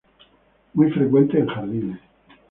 Muy frecuente en jardines.